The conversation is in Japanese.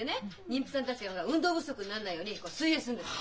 妊婦さんたちがほら運動不足になんないように水泳するんです。